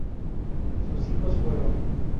Sus hijos fueron;